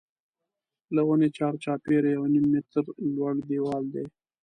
له ونې چار چاپېره یو نیم متر لوړ دیوال دی.